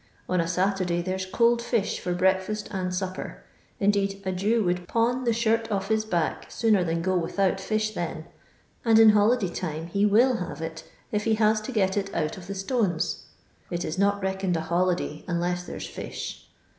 On a Saturday there 's cold fish lot breakfast and supper ; indeed, a Jew would pawn the shirt off his back sooner than go without fish then ; and in holiday time he %ciU have it, if he has to get it out of the stones. It is not reckoned a holiday unless there 's fish."